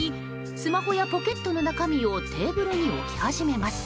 スマホやポケットの中身をテーブルに置き始めます。